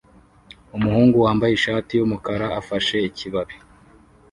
Umuhungu wambaye ishati yumukara afashe ikibabi